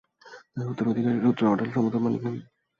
তাই, উত্তরাধিকার সূত্রে অঢেল সম্পদের মালিক আমি।